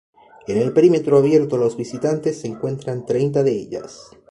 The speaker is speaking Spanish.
En el perímetro abierto a los visitantes se encuentran treinta de ellas.